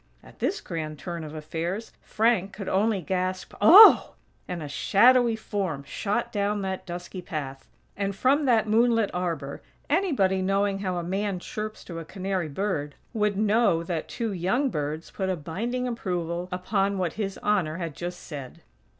At this grand turn of affairs, Frank could only gasp: "OH H H!!" and a shadowy form shot down that dusky path; and from that moonlit arbor, anybody knowing how a man chirps to a canary bird, would know that two young birds put a binding approval upon what His Honor had just said!!